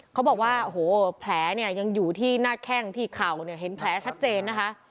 เขาบอกว่าแผลยังอยู่ที่หน้าแข้งที่เขาเห็นแผลชัดเจน